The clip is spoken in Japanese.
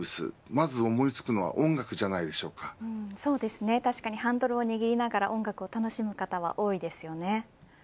まず思いつくのは確かにハンドルを握りながら音楽を楽しむ方は多いですよね。